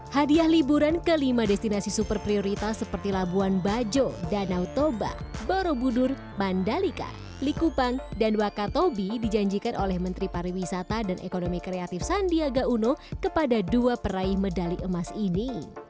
hadiah liburan kelima destinasi super prioritas seperti labuan bajo danau toba borobudur mandalika likupang dan wakatobi dijanjikan oleh menteri pariwisata dan ekonomi kreatif sandiaga uno kepada dua peraih medali emas ini